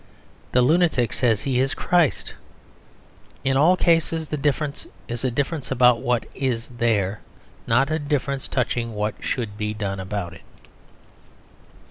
The lunatic says he is Christ. In all cases the difference is a difference about what is there; not a difference touching what should be done about it.